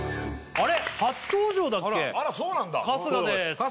あれ？